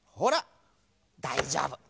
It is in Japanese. だいじょうぶ。ね？